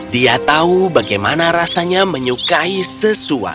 dia tahu bagaimana rasanya menyukai sesuatu